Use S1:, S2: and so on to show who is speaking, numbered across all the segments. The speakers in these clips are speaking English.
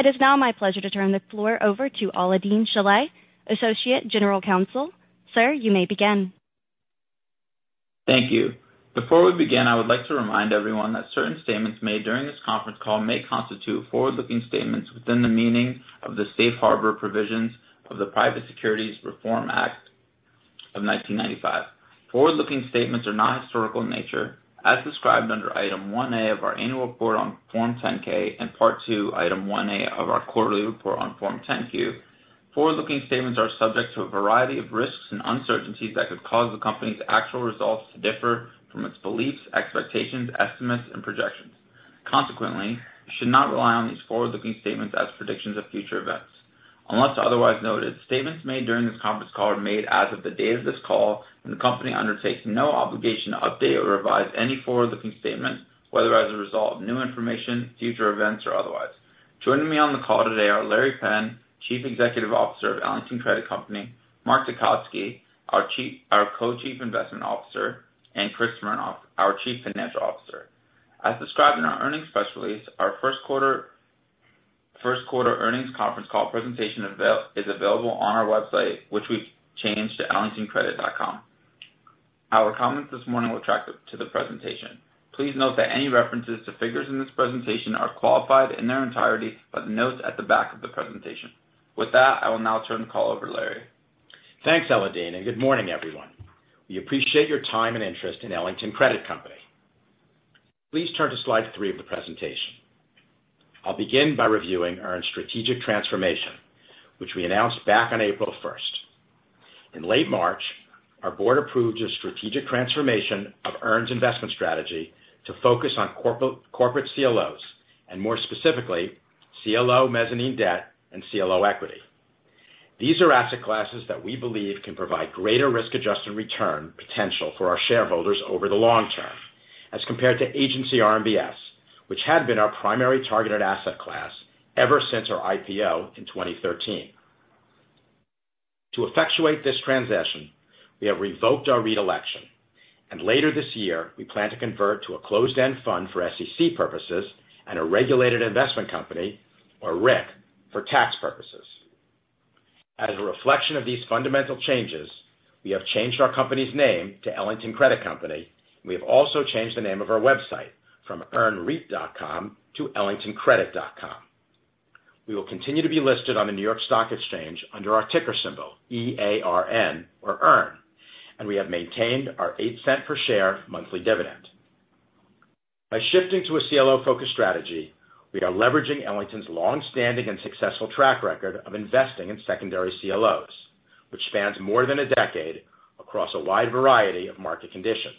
S1: It is now my pleasure to turn the floor over to Alaael-Deen Shilleh, Associate General Counsel. Sir, you may begin.
S2: Thank you. Before we begin, I would like to remind everyone that certain statements made during this conference call may constitute forward-looking statements within the meaning of the Safe Harbor Provisions of the Private Securities Litigation Reform Act of 1995. Forward-looking statements are not historical in nature as described under Item 1A of our annual report on Form 10-K and Part II, Item 1A of our quarterly report on Form 10-Q. Forward-looking statements are subject to a variety of risks and uncertainties that could cause the company's actual results to differ from its beliefs, expectations, estimates, and projections. Consequently, you should not rely on these forward-looking statements as predictions of future events. Unless otherwise noted, statements made during this conference call are made as of the date of this call, and the company undertakes no obligation to update or revise any forward-looking statements, whether as a result of new information, future events, or otherwise. Joining me on the call today are Larry Penn, Chief Executive Officer of Ellington Credit Company, Mark Tecotzky, our Co-Chief Investment Officer, and Chris Smernoff, our Chief Financial Officer. As described in our earnings press release, our first quarter, first quarter earnings conference call presentation is available on our website, which we've changed to ellingtoncredit.com. Our comments this morning will track to the presentation. Please note that any references to figures in this presentation are qualified in their entirety by the notes at the back of the presentation. With that, I will now turn the call over to Larry.
S3: Thanks, Alaael-Deen, and good morning, everyone. We appreciate your time and interest in Ellington Credit Company. Please turn to slide three of the presentation. I'll begin by reviewing our strategic transformation, which we announced back on April 1st. In late March, our board approved a strategic transformation of EARN's investment strategy to focus on corporate, corporate CLOs, and more specifically, CLO mezzanine debt and CLO equity. These are asset classes that we believe can provide greater risk-adjusted return potential for our shareholders over the long term as compared to Agency RMBS, which had been our primary targeted asset class ever since our IPO in 2013. To effectuate this transition, we have revoked our REIT election, and later this year, we plan to convert to a closed-end fund for SEC purposes and a regulated investment company, or RIC, for tax purposes. As a reflection of these fundamental changes, we have changed our company's name to Ellington Credit Company. We have also changed the name of our website from earnreit.com to ellingtoncredit.com. We will continue to be listed on the New York Stock Exchange under our ticker symbol, E-A-R-N, or EARN, and we have maintained our $0.08 per share monthly dividend. By shifting to a CLO-focused strategy, we are leveraging Ellington's longstanding and successful track record of investing in secondary CLOs, which spans more than a decade across a wide variety of market conditions.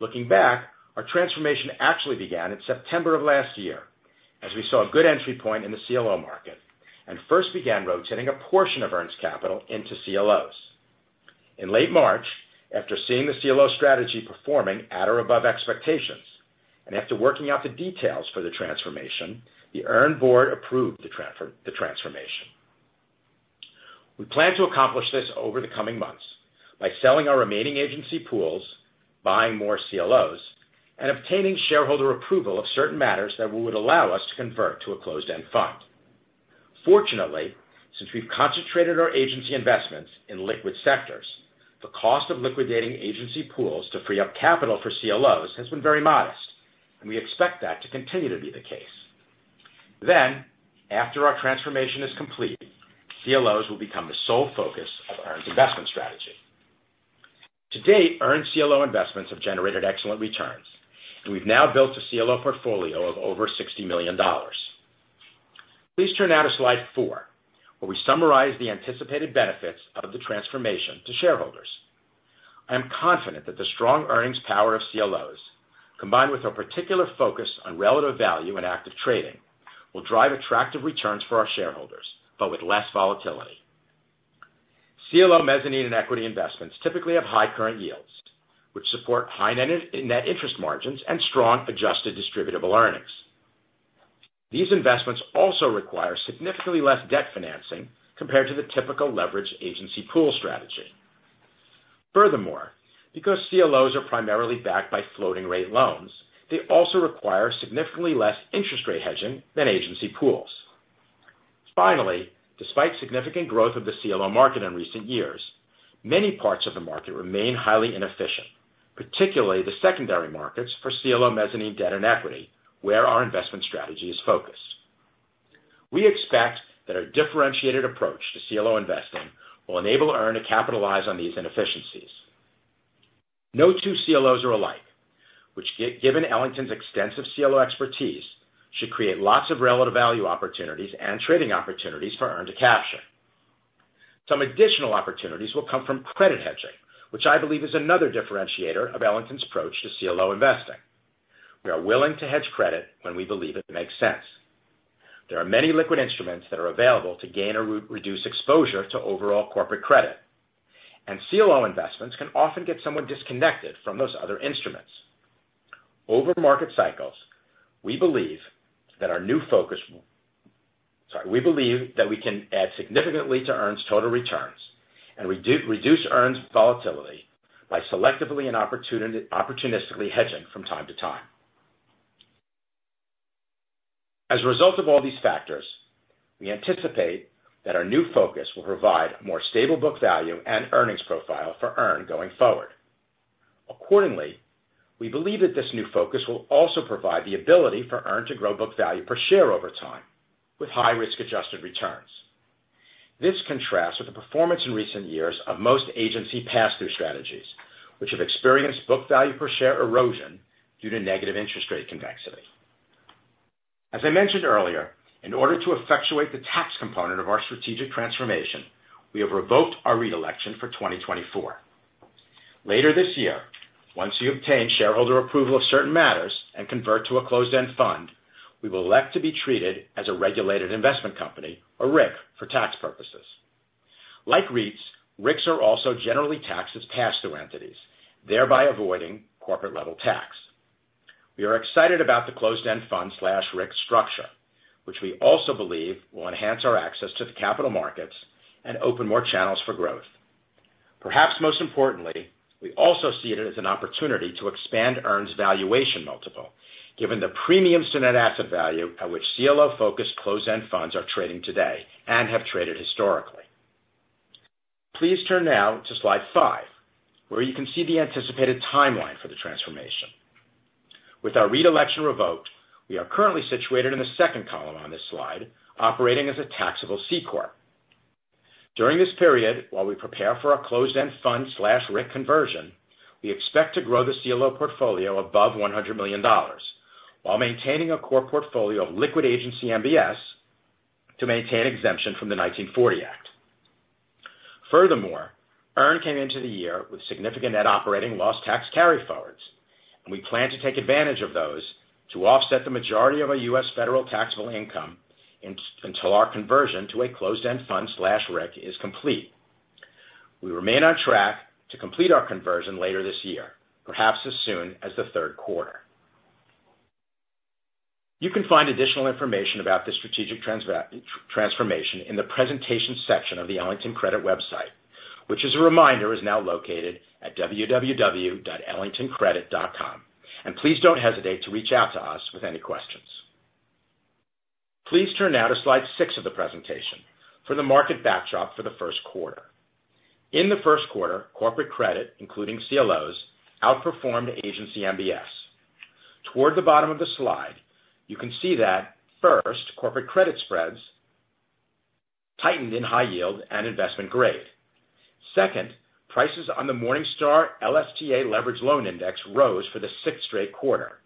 S3: Looking back, our transformation actually began in September of last year, as we saw a good entry point in the CLO market and first began rotating a portion of EARN's capital into CLOs. In late March, after seeing the CLO strategy performing at or above expectations, and after working out the details for the transformation, the EARN board approved the transformation. We plan to accomplish this over the coming months by selling our remaining Agency pools, buying more CLOs, and obtaining shareholder approval of certain matters that would allow us to convert to a closed-end fund. Fortunately, since we've concentrated our Agency investments in liquid sectors, the cost of liquidating Agency pools to free up capital for CLOs has been very modest, and we expect that to continue to be the case. Then, after our transformation is complete, CLOs will become the sole focus of EARN's investment strategy. To-date, EARN's CLO investments have generated excellent returns, and we've now built a CLO portfolio of over $60 million. Please turn now to slide four, where we summarize the anticipated benefits of the transformation to shareholders. I am confident that the strong earnings power of CLOs, combined with our particular focus on relative value and active trading, will drive attractive returns for our shareholders, but with less volatility. CLO mezzanine and equity investments typically have high current yields, which support high net interest margins and strong adjusted distributable earnings. These investments also require significantly less debt financing compared to the typical leverage Agency pool strategy. Furthermore, because CLOs are primarily backed by floating-rate loans, they also require significantly less interest rate hedging than Agency pools. Finally, despite significant growth of the CLO market in recent years, many parts of the market remain highly inefficient, particularly the secondary markets for CLO mezzanine debt and equity, where our investment strategy is focused. We expect that our differentiated approach to CLO investing will enable EARN to capitalize on these inefficiencies. No two CLOs are alike, which, given Ellington's extensive CLO expertise, should create lots of relative value opportunities and trading opportunities for EARN to capture. Some additional opportunities will come from credit hedging, which I believe is another differentiator of Ellington's approach to CLO investing. We are willing to hedge credit when we believe it makes sense. There are many liquid instruments that are available to gain or reduce exposure to overall corporate credit, and CLO investments can often get somewhat disconnected from those other instruments. Over market cycles, we believe that our new focus will. Sorry, we believe that we can add significantly to EARN's total returns and reduce EARN's volatility by selectively and opportunistically hedging from time to time. As a result of all these factors, we anticipate that our new focus will provide a more stable book value and earnings profile for EARN going forward. Accordingly, we believe that this new focus will also provide the ability for EARN to grow book value per share over time, with high-risk adjusted returns. This contrasts with the performance in recent years of most agency pass-through strategies, which have experienced book value per share erosion due to negative interest rate convexity. As I mentioned earlier, in order to effectuate the tax component of our strategic transformation, we have revoked our REIT election for 2024. Later this year, once we obtain shareholder approval of certain matters and convert to a closed-end fund, we will elect to be treated as a regulated investment company, a RIC, for tax purposes. Like REITs, RICs are also generally taxed as pass-through entities, thereby avoiding corporate-level tax. We are excited about the closed-end fund/RIC structure, which we also believe will enhance our access to the capital markets and open more channels for growth. Perhaps most importantly, we also see it as an opportunity to expand EARN's valuation multiple, given the premiums to net asset value at which CLO-focused closed-end funds are trading today and have traded historically. Please turn now to slide five, where you can see the anticipated timeline for the transformation. With our REIT election revoked, we are currently situated in the second column on this slide, operating as a taxable C Corp. During this period, while we prepare for our closed-end fund/RIC conversion, we expect to grow the CLO portfolio above $100 million, while maintaining a core portfolio of liquid Agency MBS to maintain exemption from the 1940 Act. Furthermore, EARN came into the year with significant net operating loss tax carryforwards, and we plan to take advantage of those to offset the majority of our U.S. federal taxable income until our conversion to a closed-end fund/RIC is complete. We remain on track to complete our conversion later this year, perhaps as soon as the third quarter. You can find additional information about this strategic transformation in the presentation section of the Ellington Credit website, which, as a reminder, is now located at www.ellingtoncredit.com. And please don't hesitate to reach out to us with any questions. Please turn now to slide six of the presentation for the market backdrop for the first quarter. In the first quarter, corporate credit, including CLOs, outperformed Agency MBS. Toward the bottom of the slide, you can see that, first, corporate credit spreads tightened in high yield and investment grade. Second, prices on the Morningstar LSTA Leveraged Loan Index rose for the sixth straight quarter.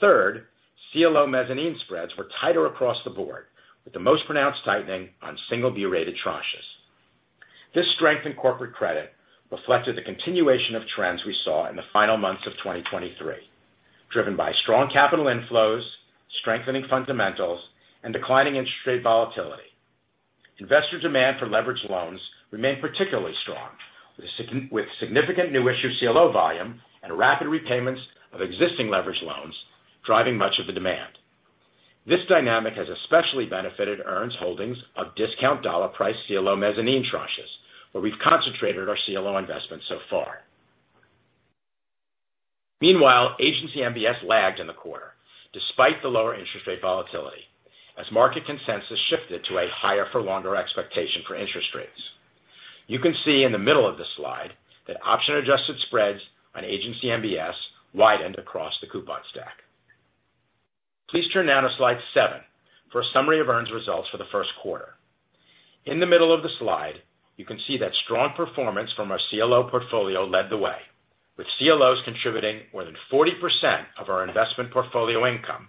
S3: Third, CLO mezzanine spreads were tighter across the board, with the most pronounced tightening on single B-rated tranches. This strength in corporate credit reflected the continuation of trends we saw in the final months of 2023, driven by strong capital inflows, strengthening fundamentals, and declining interest rate volatility. Investor demand for leveraged loans remained particularly strong, with significant new issue CLO volume and rapid repayments of existing leveraged loans driving much of the demand. This dynamic has especially benefited EARN's holdings of discount dollar-priced CLO mezzanine tranches, where we've concentrated our CLO investments so far. Meanwhile, Agency MBS lagged in the quarter, despite the lower interest rate volatility, as market consensus shifted to a higher for longer expectation for interest rates. You can see in the middle of the slide that option-adjusted spreads on Agency MBS widened across the coupon stack. Please turn now to slide seven for a summary of EARN's results for the first quarter. In the middle of the slide, you can see that strong performance from our CLO portfolio led the way, with CLOs contributing more than 40% of our investment portfolio income,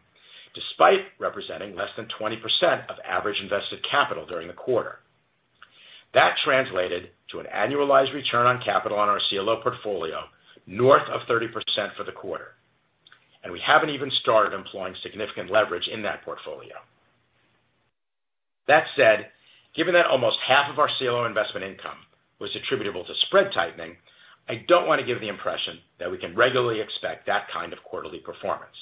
S3: despite representing less than 20% of average invested capital during the quarter. That translated to an annualized return on capital on our CLO portfolio north of 30% for the quarter, and we haven't even started employing significant leverage in that portfolio. That said, given that almost half of our CLO investment income was attributable to spread tightening, I don't want to give the impression that we can regularly expect that kind of quarterly performance.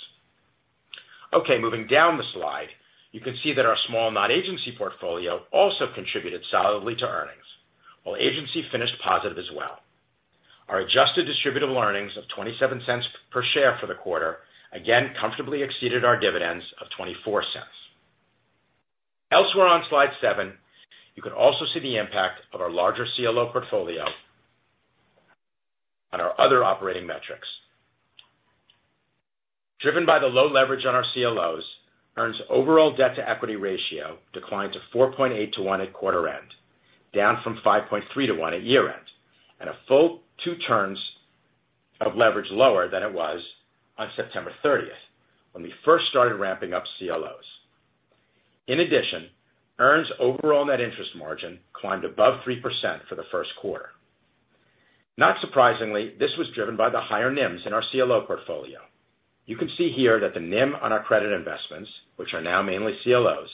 S3: Okay, moving down the slide, you can see that our small Non-Agency portfolio also contributed solidly to earnings, while Agency finished positive as well. Our adjusted distributable earnings of $0.27 per share for the quarter again comfortably exceeded our dividends of $0.24. Elsewhere on slide seven, you can also see the impact of our larger CLO portfolio on our other operating metrics. Driven by the low leverage on our CLOs, EARN's overall debt-to-equity ratio declined to 4.8 to 1 at quarter end, down from 5.3 to 1 at year-end, and a full 2 turns of leverage lower than it was on September 30th, when we first started ramping up CLOs. In addition, EARN's overall net interest margin climbed above 3% for the first quarter. Not surprisingly, this was driven by the higher NIMs in our CLO portfolio. You can see here that the NIM on our credit investments, which are now mainly CLOs,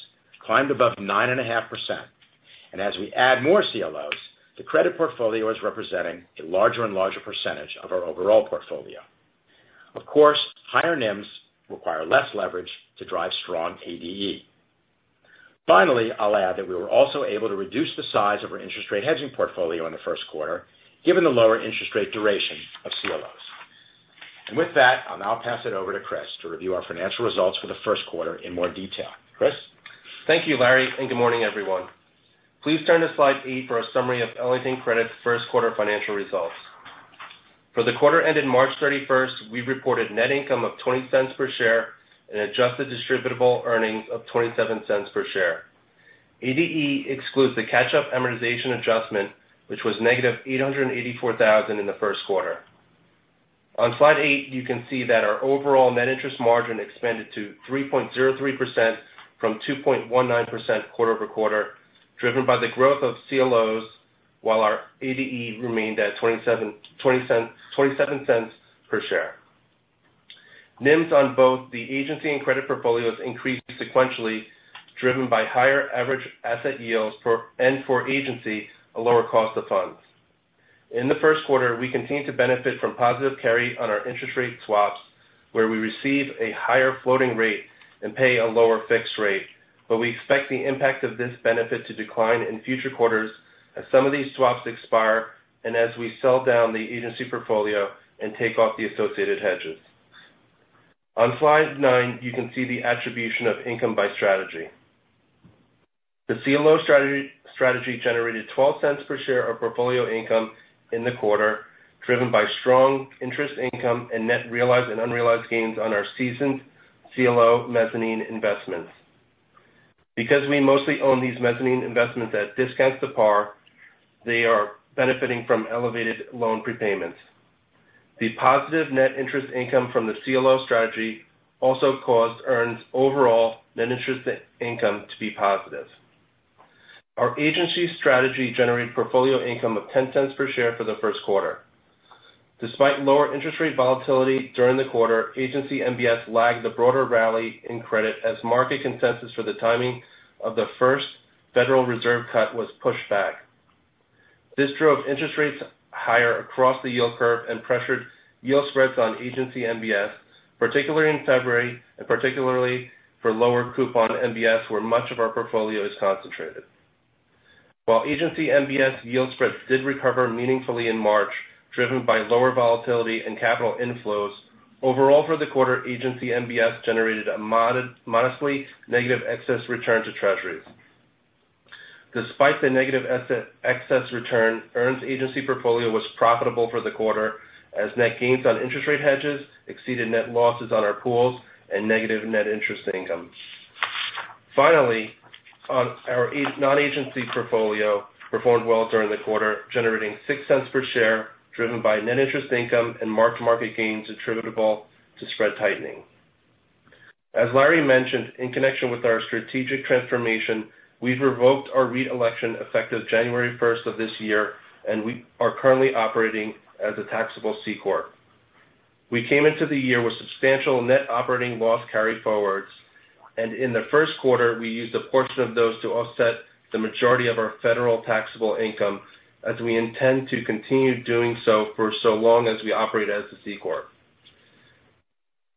S3: climbed above 9.5%, and as we add more CLOs, the credit portfolio is representing a larger and larger percentage of our overall portfolio. Of course, higher NIMs require less leverage to drive strong ADE. Finally, I'll add that we were also able to reduce the size of our interest rate hedging portfolio in the first quarter, given the lower interest rate duration of CLOs. And with that, I'll now pass it over to Chris to review our financial results for the first quarter in more detail. Chris?
S4: Thank you, Larry, and good morning, everyone. Please turn to slide eight for a summary of Ellington Credit's first quarter financial results. For the quarter ended March 31st, we reported net income of $0.20 per share and adjusted distributable earnings of $0.27 per share. ADE excludes the catch-up amortization adjustment, which was -$884,000 in the first quarter. On slide eight, you can see that our overall net interest margin expanded to 3.03% from 2.19% quarter-over-quarter, driven by the growth of CLOs, while our ADE remained at $0.27 per share. NIMs on both the Agency and credit portfolios increased sequentially, driven by higher average asset yields for-- and for Agency, a lower cost of funds. In the first quarter, we continued to benefit from positive carry on our interest rate swaps, where we receive a higher floating rate and pay a lower fixed rate, but we expect the impact of this benefit to decline in future quarters as some of these swaps expire and as we sell down the Agency portfolio and take off the associated hedges. On slide nine, you can see the attribution of income by strategy. The CLO strategy generated $0.12 per share of portfolio income in the quarter, driven by strong interest income and net realized and unrealized gains on our seasoned CLO mezzanine investments. Because we mostly own these mezzanine investments at discounts to par, they are benefiting from elevated loan prepayments. The positive net interest income from the CLO strategy also caused EARN's overall net interest income to be positive. Our Agency strategy generated portfolio income of $0.10 per share for the first quarter. Despite lower interest rate volatility during the quarter, Agency MBS lagged the broader rally in credit as market consensus for the timing of the first Federal Reserve cut was pushed back. This drove interest rates higher across the yield curve and pressured yield spreads on Agency MBS, particularly in February, and particularly for lower coupon MBS, where much of our portfolio is concentrated. While Agency MBS yield spreads did recover meaningfully in March, driven by lower volatility and capital inflows, overall for the quarter, Agency MBS generated a modestly negative excess return to Treasuries. Despite the negative excess return, EARN's Agency portfolio was profitable for the quarter, as net gains on interest rate hedges exceeded net losses on our pools and negative net interest income. Finally, our Non-Agency portfolio performed well during the quarter, generating $0.06 per share, driven by net interest income and mark-to-market gains attributable to spread tightening. As Larry mentioned, in connection with our strategic transformation, we've revoked our REIT election effective January 1st of this year, and we are currently operating as a taxable C-Corp. We came into the year with substantial net operating loss carryforwards, and in the first quarter, we used a portion of those to offset the majority of our federal taxable income, as we intend to continue doing so for so long as we operate as a C-Corp.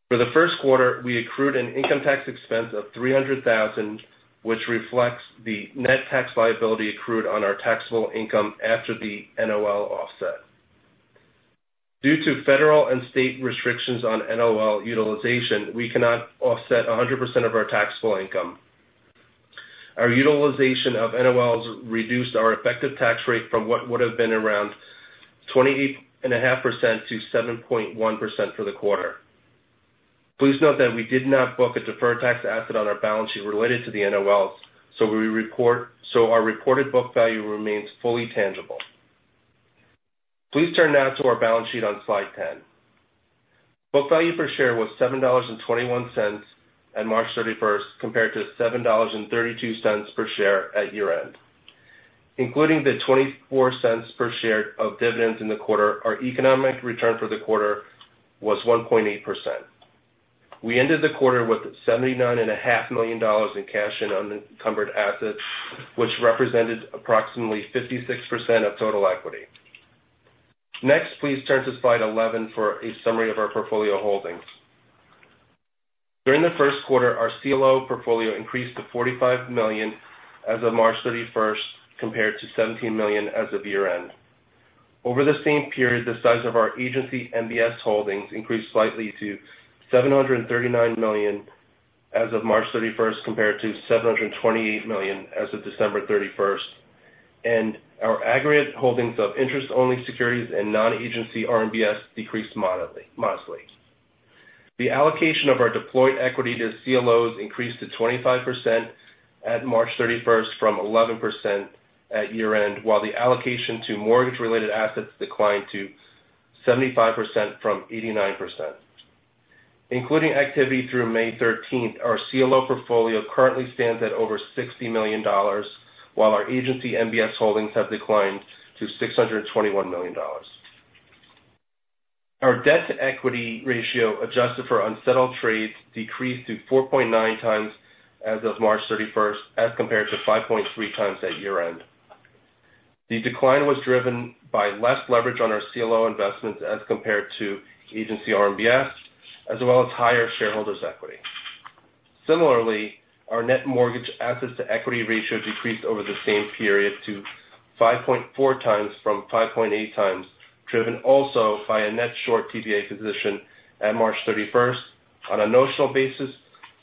S4: For the first quarter, we accrued an income tax expense of $300,000, which reflects the net tax liability accrued on our taxable income after the NOL offset. Due to federal and state restrictions on NOL utilization, we cannot offset 100% of our taxable income. Our utilization of NOLs reduced our effective tax rate from what would have been around 28.5% to 7.1% for the quarter. Please note that we did not book a deferred tax asset on our balance sheet related to the NOLs, so our recorded book value remains fully tangible. Please turn now to our balance sheet on slide 10. Book value per share was $7.21 at March 31st, compared to $7.32 per share at year-end. Including the $0.24 per share of dividends in the quarter, our economic return for the quarter was 1.8%. We ended the quarter with $79.5 million in cash and unencumbered assets, which represented approximately 56% of total equity. Next, please turn to slide 11 for a summary of our portfolio holdings. During the first quarter, our CLO portfolio increased to $45 million as of March 31st, compared to $17 million as of year-end. Over the same period, the size of our Agency MBS holdings increased slightly to $739 million as of March 31st, compared to $728 million as of December 31st, and our aggregate holdings of interest-only securities and Non-Agency RMBS decreased modestly. The allocation of our deployed equity to CLOs increased to 25% at March 31st from 11% at year-end, while the allocation to mortgage-related assets declined to 75% from 89%. Including activity through May 13th, our CLO portfolio currently stands at over $60 million, while our Agency MBS holdings have declined to $621 million. Our debt-to-equity ratio, adjusted for unsettled trades, decreased to 4.9x as of March 31st, as compared to 5.3x at year-end. The decline was driven by less leverage on our CLO investments as compared to Agency RMBS, as well as higher shareholders' equity. Similarly, our net mortgage assets to equity ratio decreased over the same period to 5.4x from 5.8x, driven also by a net short TBA position at March 31st on a notional basis,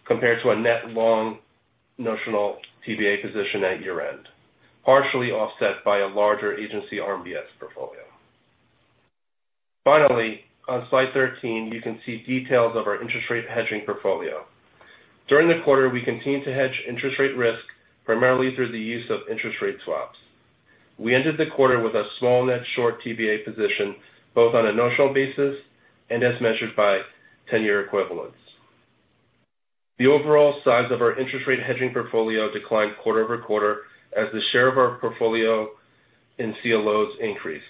S4: compared to a net long notional TBA position at year-end, partially offset by a larger Agency RMBS portfolio. Finally, on slide 13, you can see details of our interest rate hedging portfolio. During the quarter, we continued to hedge interest rate risk primarily through the use of interest rate swaps. We ended the quarter with a small net short TBA position, both on a notional basis and as measured by 10-year equivalents. The overall size of our interest rate hedging portfolio declined quarter-over-quarter as the share of our portfolio in CLOs increased.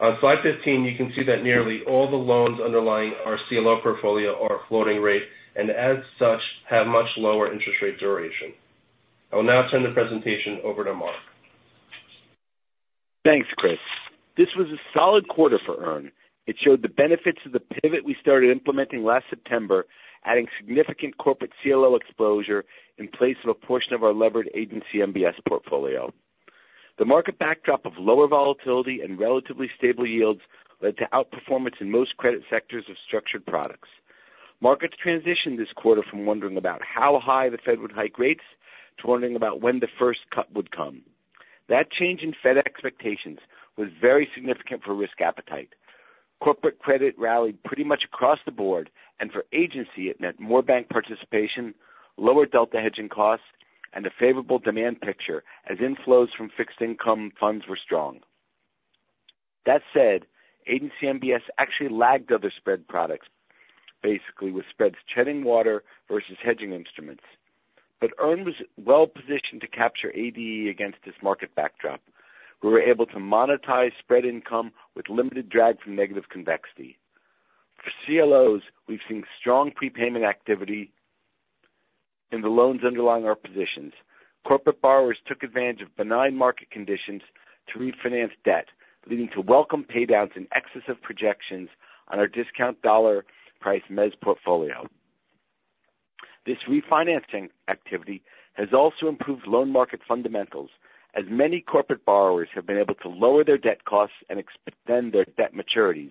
S4: On slide 15, you can see that nearly all the loans underlying our CLO portfolio are floating rate, and as such, have much lower interest rate duration. I will now turn the presentation over to Mark.
S5: Thanks, Chris. This was a solid quarter for EARN. It showed the benefits of the pivot we started implementing last September, adding significant corporate CLO exposure in place of a portion of our levered Agency MBS portfolio. The market backdrop of lower volatility and relatively stable yields led to outperformance in most credit sectors of structured products. Markets transitioned this quarter from wondering about how high the Fed would hike rates to wondering about when the first cut would come. That change in Fed expectations was very significant for risk appetite. Corporate credit rallied pretty much across the board, and for Agency, it meant more bank participation, lower delta hedging costs, and a favorable demand picture as inflows from fixed income funds were strong. That said, Agency MBS actually lagged other spread products, basically with spreads treading water versus hedging instruments. But EARN was well positioned to capture ADE against this market backdrop. We were able to monetize spread income with limited drag from negative convexity. For CLOs, we've seen strong prepayment activity in the loans underlying our positions. Corporate borrowers took advantage of benign market conditions to refinance debt, leading to welcome paydowns in excess of projections on our discount dollar price mezz portfolio. This refinancing activity has also improved loan market fundamentals, as many corporate borrowers have been able to lower their debt costs and extend their debt maturities.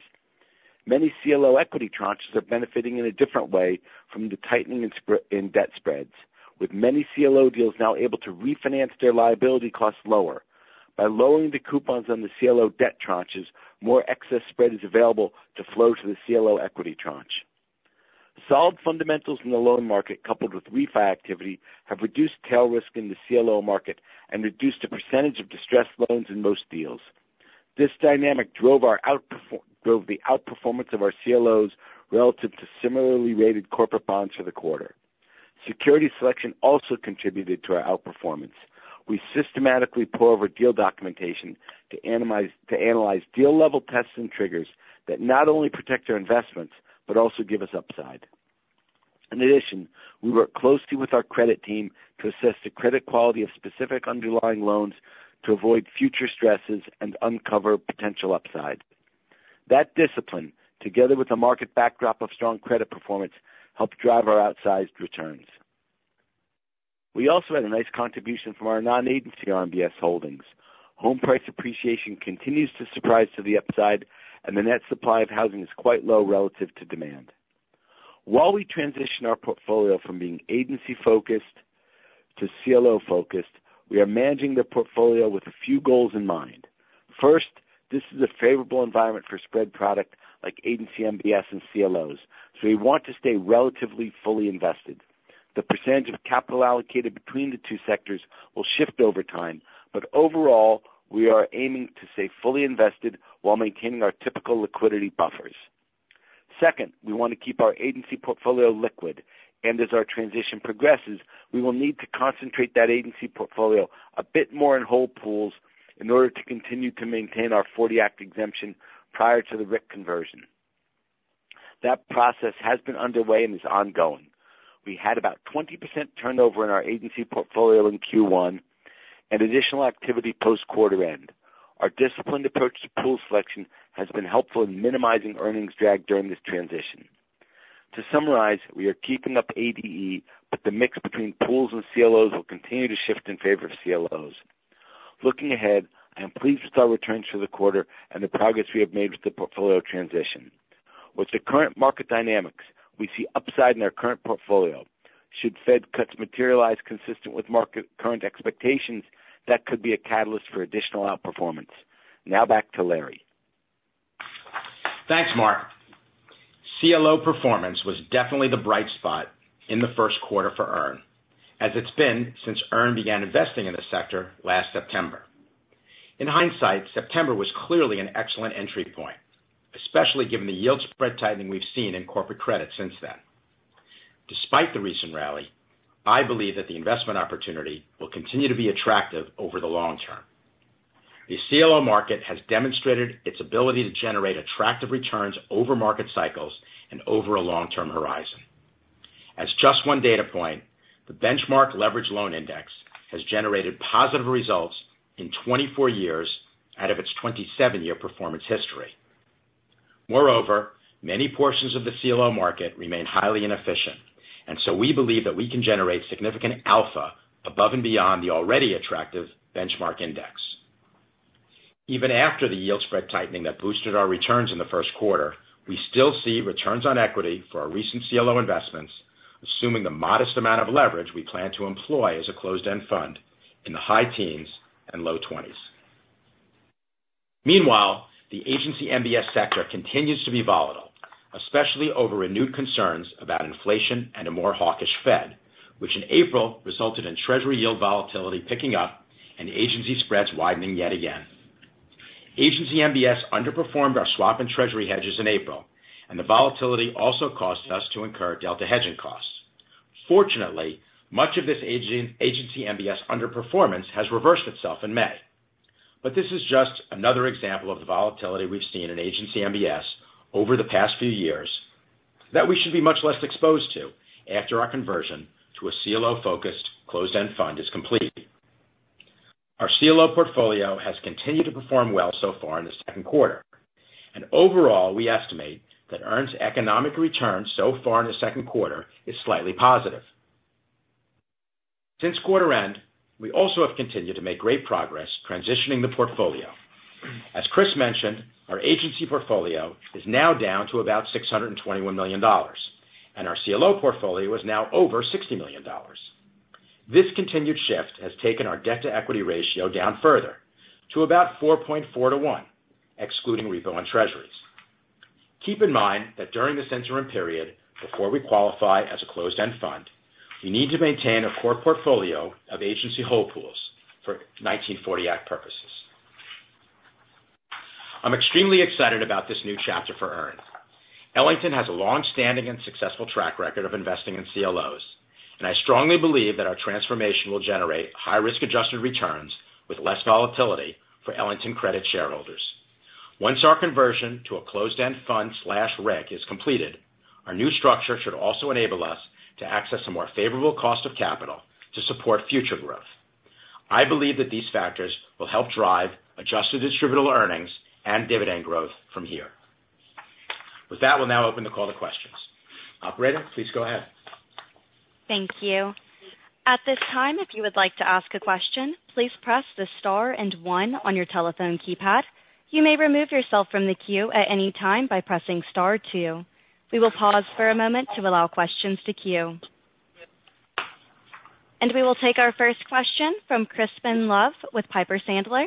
S5: Many CLO equity tranches are benefiting in a different way from the tightening in spread in debt spreads, with many CLO deals now able to refinance their liability costs lower. By lowering the coupons on the CLO debt tranches, more excess spread is available to flow to the CLO equity tranche. Solid fundamentals in the loan market, coupled with refi activity, have reduced tail risk in the CLO market and reduced the percentage of distressed loans in most deals. This dynamic drove the outperformance of our CLOs relative to similarly rated corporate bonds for the quarter. Security selection also contributed to our outperformance. We systematically pour over deal documentation to analyze deal level tests and triggers that not only protect our investments, but also give us upside. In addition, we work closely with our credit team to assess the credit quality of specific underlying loans to avoid future stresses and uncover potential upside. That discipline, together with the market backdrop of strong credit performance, helped drive our outsized returns. We also had a nice contribution from our Non-Agency RMBS holdings. Home price appreciation continues to surprise to the upside, and the net supply of housing is quite low relative to demand. While we transition our portfolio from being Agency-focused to CLO-focused, we are managing the portfolio with a few goals in mind. First, this is a favorable environment for spread product like Agency MBS and CLOs, so we want to stay relatively fully invested. The percentage of capital allocated between the two sectors will shift over time, but overall, we are aiming to stay fully invested while maintaining our typical liquidity buffers. Second, we want to keep our Agency portfolio liquid, and as our transition progresses, we will need to concentrate that Agency portfolio a bit more in whole pools in order to continue to maintain our 1940 Act exemption prior to the RIC conversion. That process has been underway and is ongoing. We had about 20% turnover in our Agency portfolio in Q1 and additional activity post-quarter end. Our disciplined approach to pool selection has been helpful in minimizing earnings drag during this transition. To summarize, we are keeping up ADE, but the mix between pools and CLOs will continue to shift in favor of CLOs. Looking ahead, I am pleased with our returns for the quarter and the progress we have made with the portfolio transition. With the current market dynamics, we see upside in our current portfolio. Should Fed cuts materialize consistent with market current expectations, that could be a catalyst for additional outperformance. Now back to Larry.
S3: Thanks, Mark. CLO performance was definitely the bright spot in the first quarter for EARN, as it's been since EARN began investing in this sector last September. In hindsight, September was clearly an excellent entry point, especially given the yield spread tightening we've seen in corporate credit since then. Despite the recent rally, I believe that the investment opportunity will continue to be attractive over the long term. The CLO market has demonstrated its ability to generate attractive returns over market cycles and over a long-term horizon. As just one data point, the benchmark leveraged loan index has generated positive results in 24 years out of its 27-year performance history. Moreover, many portions of the CLO market remain highly inefficient, and so we believe that we can generate significant alpha above and beyond the already attractive benchmark index. Even after the yield spread tightening that boosted our returns in the first quarter, we still see returns on equity for our recent CLO investments, assuming the modest amount of leverage we plan to employ as a closed-end fund in the high teens and low 20s. Meanwhile, the Agency MBS sector continues to be volatile, especially over renewed concerns about inflation and a more hawkish Fed, which in April, resulted in Treasury yield volatility picking up and Agency spreads widening yet again. Agency MBS underperformed our swap and Treasury hedges in April, and the volatility also caused us to incur delta hedging costs. Fortunately, much of this Agency MBS underperformance has reversed itself in May. But this is just another example of the volatility we've seen in Agency MBS over the past few years, that we should be much less exposed to after our conversion to a CLO-focused closed-end fund is complete. Our CLO portfolio has continued to perform well so far in the second quarter, and overall, we estimate that EARN's economic return so far in the second quarter is slightly positive. Since quarter end, we also have continued to make great progress transitioning the portfolio. As Chris mentioned, our Agency portfolio is now down to about $621 million, and our CLO portfolio is now over $60 million. This continued shift has taken our debt-to-equity ratio down further to about 4.4 to 1, excluding repo on Treasuries. Keep in mind that during this interim period, before we qualify as a closed-end fund, we need to maintain a core portfolio of Agency whole pools for 1940 Act purposes. I'm extremely excited about this new chapter for EARN. Ellington has a long-standing and successful track record of investing in CLOs, and I strongly believe that our transformation will generate high risk-adjusted returns with less volatility for Ellington Credit shareholders. Once our conversion to a closed-end fund RIC is completed, our new structure should also enable us to access a more favorable cost of capital to support future growth. I believe that these factors will help drive adjusted distributable earnings and dividend growth from here. With that, we'll now open the call to questions. Operator, please go ahead.
S1: Thank you. At this time, if you would like to ask a question, please press the star and one on your telephone keypad. You may remove yourself from the queue at any time by pressing star two. We will pause for a moment to allow questions to queue. We will take our first question from Crispin Love with Piper Sandler.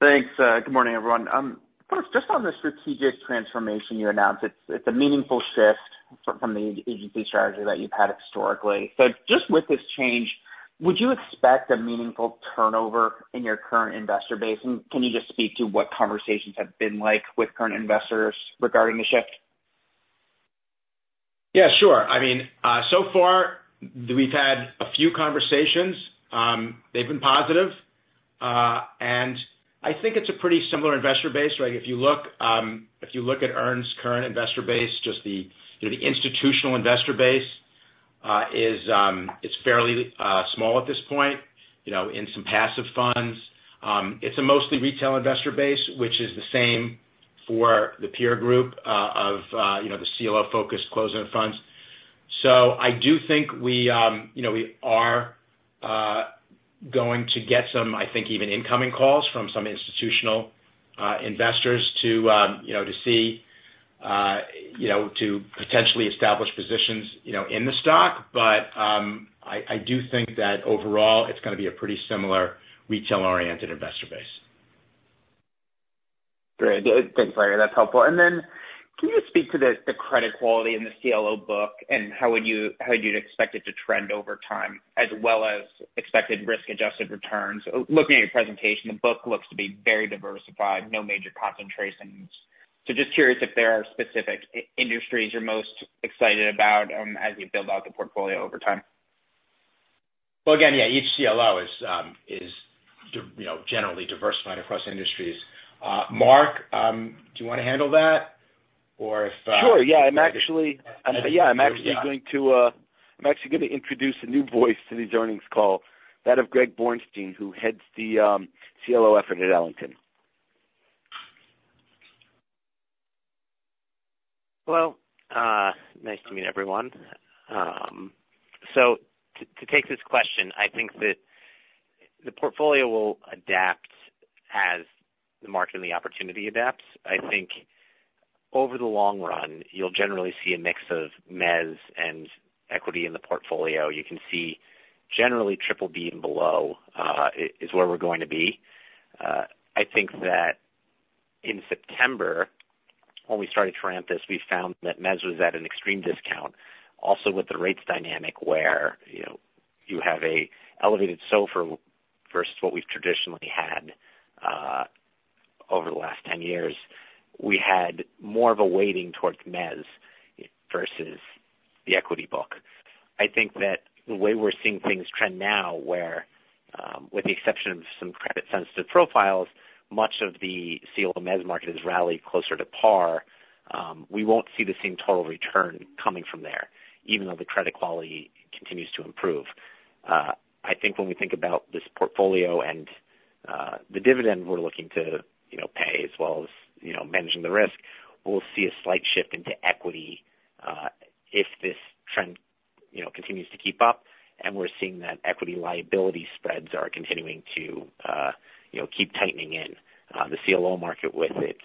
S6: Thanks. Good morning, everyone. First, just on the strategic transformation you announced, it's a meaningful shift from the Agency strategy that you've had historically. So just with this change, would you expect a meaningful turnover in your current investor base? And can you just speak to what conversations have been like with current investors regarding the shift?
S3: Yeah, sure. I mean, so far we've had a few conversations. They've been positive, and I think it's a pretty similar investor base, right? If you look, if you look at EARN's current investor base, just the, you know, the institutional investor base, is, it's fairly, small at this point, you know, in some passive funds. It's a mostly retail investor base, which is the same for the peer group, of, you know, the CLO-focused closed-end funds. So I do think we, you know, we are, going to get some, I think, even incoming calls from some institutional, investors to, you know, to see, you know, to potentially establish positions, you know, in the stock. But, I, I do think that overall, it's gonna be a pretty similar retail-oriented investor base.
S6: Great. Thanks, Larry, that's helpful. And then can you speak to the credit quality in the CLO book and how you'd expect it to trend over time, as well as expected risk-adjusted returns? Looking at your presentation, the book looks to be very diversified, no major concentrations. So just curious if there are specific industries you're most excited about, as you build out the portfolio over time.
S3: Well, again, yeah, each CLO is, you know, generally diversified across industries. Mark, do you want to handle that? Or if-
S5: Sure. Yeah, I'm actually going to introduce a new voice to this earnings call, that of Greg Borenstein, who heads the CLO effort at Ellington.
S7: Well, nice to meet everyone. So to take this question, I think that the portfolio will adapt as the market and the opportunity adapts. I think over the long run, you'll generally see a mix of mezz and equity in the portfolio. You can see generally triple B and below is where we're going to be. I think that in September, when we started to ramp this, we found that mezz was at an extreme discount. Also with the rates dynamic where, you know, you have an elevated SOFR versus what we've traditionally had over the last 10 years, we had more of a weighting towards mezz versus the equity book. I think that the way we're seeing things trend now, with the exception of some credit sensitive profiles, much of the CLO mezz market has rallied closer to par. We won't see the same total return coming from there, even though the credit quality continues to improve. I think when we think about this portfolio and the dividend we're looking to, you know, pay as well as, you know, managing the risk, we'll see a slight shift into equity if this trend, you know, continues to keep up. And we're seeing that equity liability spreads are continuing to, you know, keep tightening in. The CLO market with its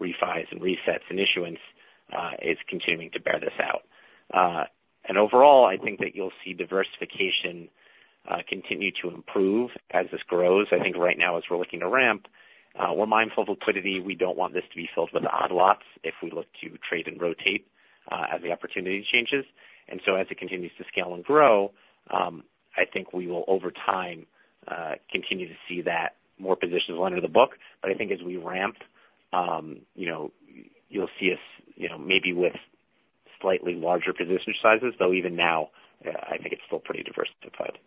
S7: refis and resets and issuance is continuing to bear this out. And overall, I think that you'll see diversification continue to improve as this grows. I think right now, as we're looking to ramp, we're mindful of liquidity. We don't want this to be filled with odd lots if we look to trade and rotate as the opportunity changes. So as it continues to scale and grow, I think we will, over time, continue to see that more positions will enter the book. But I think as we ramp, you know, you'll see us, you know, maybe with slightly larger position sizes, though even now, I think it's still pretty diversified.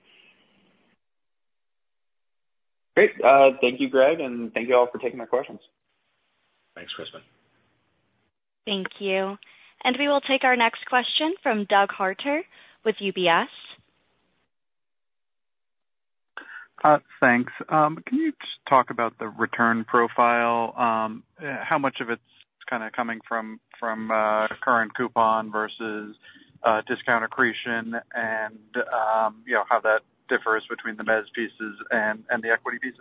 S6: Great. Thank you, Greg, and thank you all for taking my questions.
S3: Thanks, Crispin.
S1: Thank you. We will take our next question from Doug Harter with UBS.
S8: Thanks. Can you just talk about the return profile? How much of it's kind of coming from current coupon versus discount accretion and you know, how that differs between the mezz pieces and the equity pieces?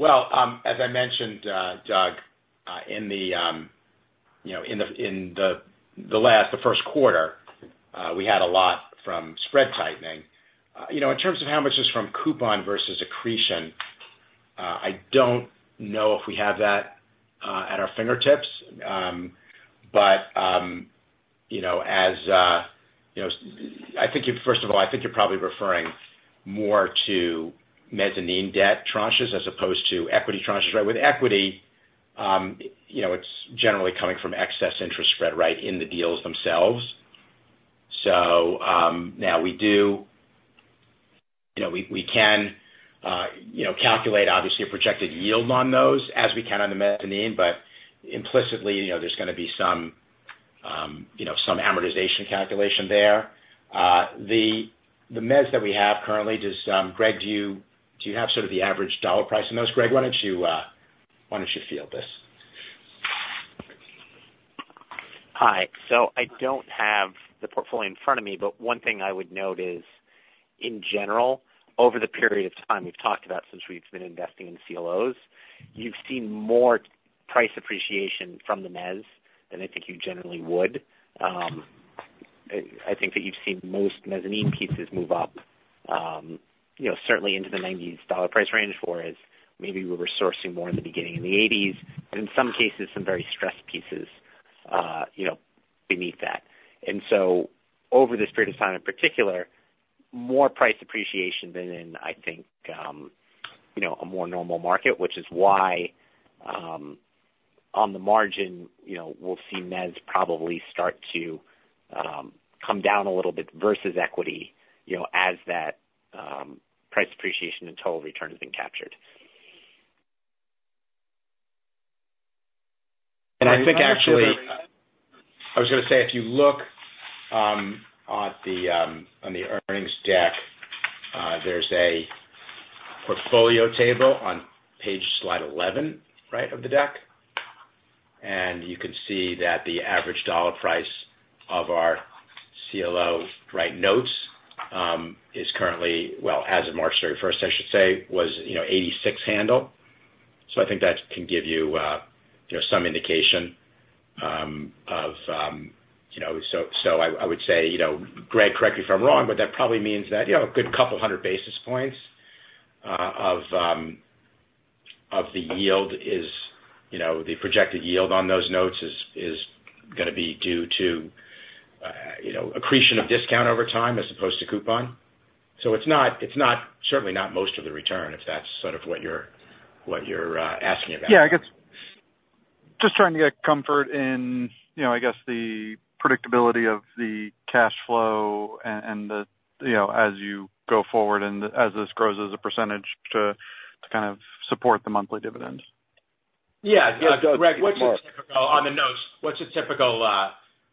S3: Well, as I mentioned, Doug, in the first quarter, you know, we had a lot from spread tightening. You know, in terms of how much is from coupon versus accretion, I don't know if we have that at our fingertips. But, you know, as, you know... I think you-- first of all, I think you're probably referring more to mezzanine debt tranches as opposed to equity tranches, right? With equity, you know, it's generally coming from excess interest spread, right, in the deals themselves. So, now we do-- you know, we can, you know, calculate obviously a projected yield on those as we can on the mezzanine, but implicitly, you know, there's gonna be some, you know, some amortization calculation there. The mezz that we have currently, does Greg, do you have sort of the average dollar price on those? Greg, why don't you field this?
S7: Hi. So I don't have the portfolio in front of me, but one thing I would note is, in general, over the period of time we've talked about since we've been investing in CLOs, you've seen more price appreciation from the mezz than I think you generally would. I think that you've seen most mezzanine pieces move up, you know, certainly into the 90s dollar price range, whereas maybe we were sourcing more in the beginning in the 80s, but in some cases, some very stressed pieces, you know, beneath that. And so over this period of time, in particular, more price appreciation than in, I think, you know, a more normal market. Which is why, on the margin, you know, we'll see mezz probably start to come down a little bit versus equity, you know, as that price appreciation and total return has been captured.
S3: I think actually, I was gonna say, if you look on the, on the earnings deck, there's a portfolio table on slide 11, right, of the deck. And you can see that the average dollar price of our CLO notes is currently, well, as of March 31st, I should say, was, you know, $86 handle. So I think that can give you, you know, some indication of, you know... So, so I, I would say, you know, Greg, correct me if I'm wrong, but that probably means that, you know, a good couple hundred basis points of, of the yield is, you know, the projected yield on those notes is, is gonna be due to, you know, accretion of discount over time as opposed to coupon. So it's not, it's not, certainly not most of the return, if that's sort of what you're, what you're asking about.
S8: Yeah, I guess just trying to get comfort in, you know, I guess, the predictability of the cash flow and the, you know, as you go forward and as this grows as a percentage to kind of support the monthly dividends.
S3: Yeah. Yeah, Doug, Greg, what's your typical on the notes, what's the typical,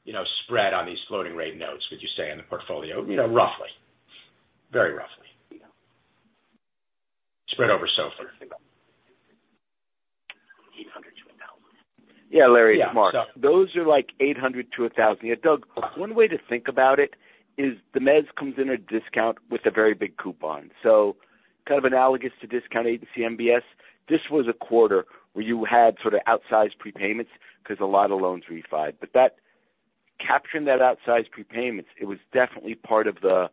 S3: you know, spread on these floating rate notes, would you say, in the portfolio? You know, roughly, very roughly, spread over SOFR.
S7: 800 to 1,000.
S5: Yeah, Larry, it's Mark. Those are like 800-1,000. Yeah, Doug, one way to think about it is the mezz comes in a discount with a very big coupon. So kind of analogous to discount Agency MBS. This was a quarter where you had sort of outsized prepayments because a lot of loans refinanced. But that, capturing that outsized prepayments, it was definitely part of the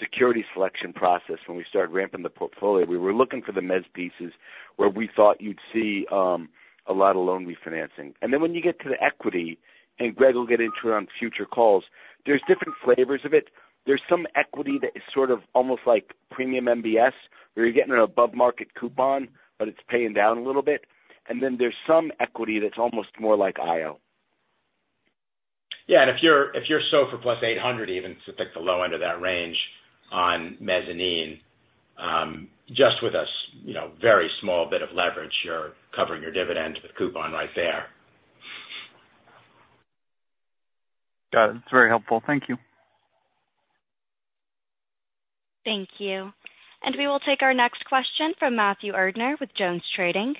S5: security selection process when we started ramping the portfolio. We were looking for the mezz pieces where we thought you'd see, a lot of loan refinancing. And then when you get to the equity, and Greg will get into it on future calls, there's different flavors of it. There's some equity that is sort of almost like premium MBS, where you're getting an above market coupon, but it's paying down a little bit, and then there's some equity that's almost more like IO.
S3: Yeah, and if you're, if you're SOFR plus 800, even to pick the low end of that range on mezzanine, just with a very small bit of leverage, you're covering your dividend with coupon right there.
S8: Got it. It's very helpful. Thank you.
S1: Thank you. We will take our next question from Matthew Erdner with JonesTrading.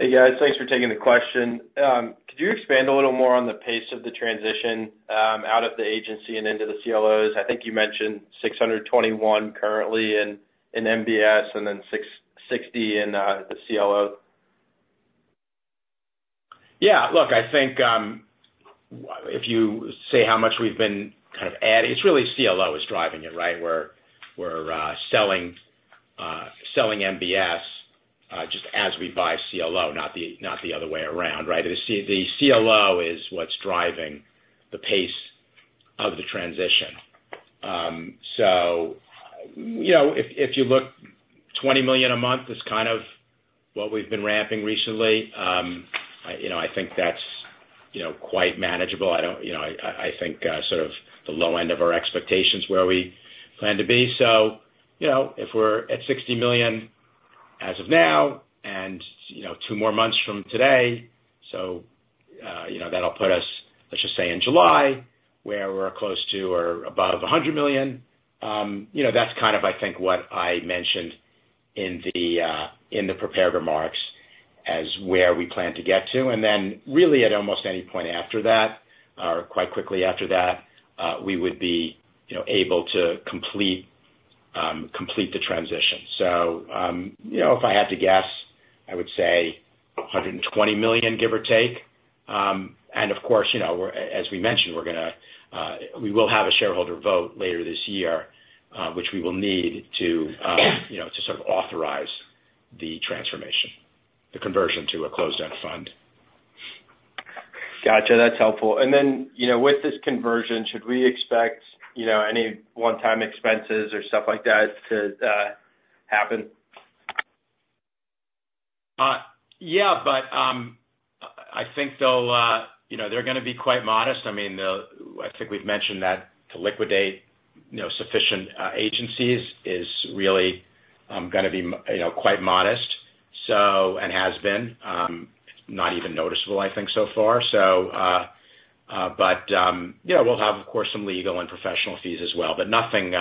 S9: Hey, guys. Thanks for taking the question. Could you expand a little more on the pace of the transition out of the Agency and into the CLOs? I think you mentioned 621 currently in MBS, and then 660 in the CLO.
S3: Yeah, look, I think, if you say how much we've been kind of adding, it's really CLO is driving it, right? We're selling MBS, just as we buy CLO, not the other way around, right? The CLO is what's driving the pace of the transition. So, you know, if, if you look, $20 million a month is kind of what we've been ramping recently. I, you know, I think that's, you know, quite manageable. I don't... You know, I, I, I think, sort of the low end of our expectations where we plan to be. So, you know, if we're at $60 million as of now, and, you know, two more months from today, so, you know, that'll put us, let's just say in July, where we're close to or above $100 million. You know, that's kind of, I think, what I mentioned in the, in the prepared remarks as where we plan to get to. And then really at almost any point after that, quite quickly after that, we would be, you know, able to complete the transition. So, you know, if I had to guess, I would say $120 million, give or take. And of course, you know, we're, as we mentioned, we're gonna, we will have a shareholder vote later this year, which we will need to, you know, to sort of authorize the transformation, the conversion to a Closed-End Fund.
S9: Gotcha, that's helpful. And then, you know, with this conversion, should we expect, you know, any one-time expenses or stuff like that to happen?
S3: Yeah, but I think they'll, you know, they're gonna be quite modest. I mean, I think we've mentioned that to liquidate, you know, sufficient agencies is really gonna be quite modest, so, and has been not even noticeable, I think, so far. So, but yeah, we'll have, of course, some legal and professional fees as well, but nothing,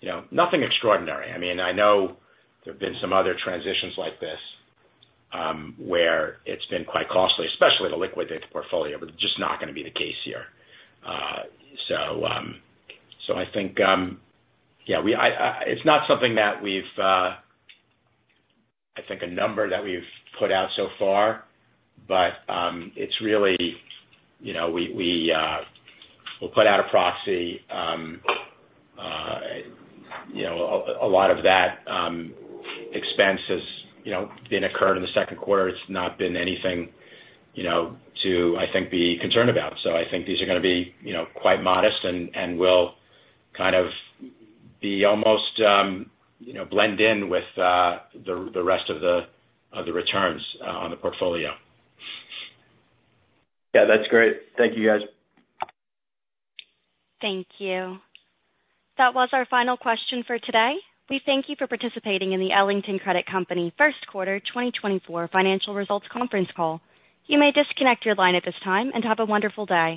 S3: you know, nothing extraordinary. I mean, I know there have been some other transitions like this, where it's been quite costly, especially to liquidate the portfolio, but it's just not gonna be the case here. So, so I think, yeah, we I-- It's not something that we've I think a number that we've put out so far, but it's really, you know, we'll put out a proxy, you know, a lot of that expense has, you know, been incurred in the second quarter. It's not been anything, you know, to I think be concerned about. So I think these are gonna be, you know, quite modest and will kind of be almost, you know, blend in with the rest of the returns on the portfolio.
S9: Yeah, that's great. Thank you, guys.
S1: Thank you. That was our final question for today. We thank you for participating in the Ellington Credit Company first quarter 2024 financial results conference call. You may disconnect your line at this time and have a wonderful day.